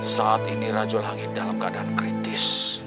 saat ini rajulangit dalam keadaan kritis